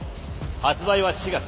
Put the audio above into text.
発売は４月。